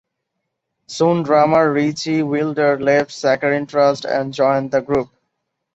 Soon drummer Ritchie Wilder left Saccharine Trust and joined the group.